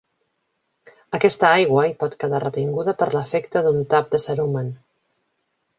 Aquesta aigua hi pot quedar retinguda per l'efecte d'un tap de cerumen.